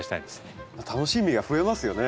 楽しみが増えますよね。